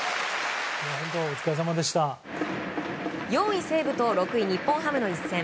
４位、西武と６位、日本ハムの一戦。